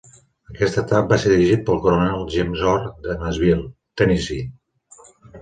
Aquest atac va ser dirigit pel coronel James Orr de Nashville, Tennessee.